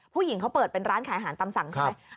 ผู้หญิงเขาเปิดเป็นร้านขายอาหารตำสั่งใช่ไหม